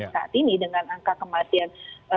saat ini dengan angka kematian